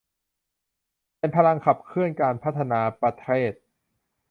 เป็นพลังขับเคลื่อนการพัฒนาประเทศ